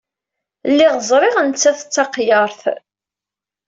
Lliɣ ẓriɣ nettat d taqyart!